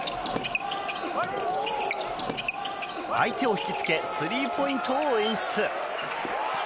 相手を引き付けスリーポイントを演出！